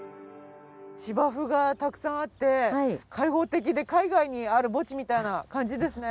芝生がたくさんあって開放的で海外にある墓地みたいな感じですね。